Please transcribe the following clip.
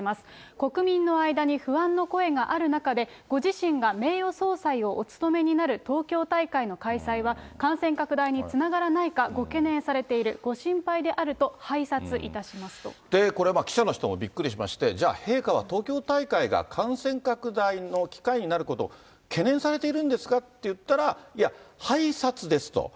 国民の間に不安の声がある中で、ご自身が名誉総裁をお務めになる東京大会の開催は、感染拡大につながらないかご懸念されている、ご心配であると拝察これ、記者の人もびっくりしまして、じゃあ、陛下は東京大会が感染拡大の機会になることを懸念されているんですかって言ったら、いや、拝察ですと。